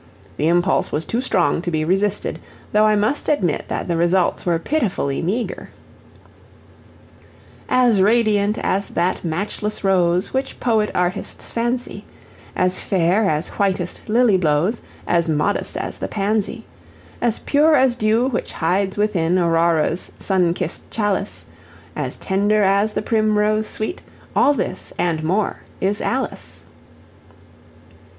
The impulse was too strong to be resisted, though I must admit that the results were pitifully meager: "As radiant as that matchless rose Which poet artists fancy; As fair as whitest lily blows, As modest as the pansy; As pure as dew which hides within Aurora's sun kissed chalice; As tender as the primrose sweet All this, and more, is Alice."